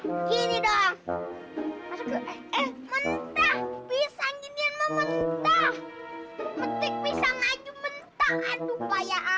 mentah bisa gini mementah